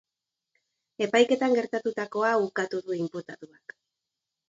Epaiketan gertatutakoa ukatu du inputatuak.